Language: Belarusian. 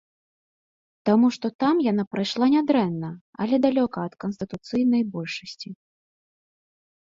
Таму што там яна прайшла нядрэнна, але далёка ад канстытуцыйнай большасці.